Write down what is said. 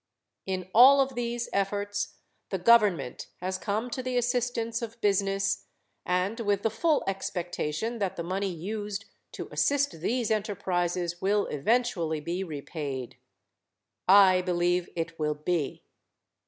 In all of these efforts the government has come to the assistance of business and with the full expectation that the money used to assist these enterprises will eventually be repaid. I believe it will be.